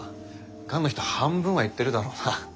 がんの人半分は言ってるだろうな。